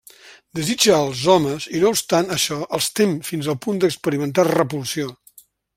Desitja als homes i no obstant això els tem fins al punt d'experimentar repulsió.